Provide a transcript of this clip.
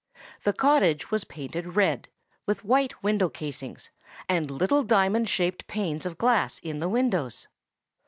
The cottage was painted red, with white window casings, and little diamond shaped panes of glass in the windows.